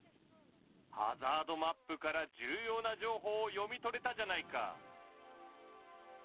ハザードマップから重要な情報を読み取れたじゃないか！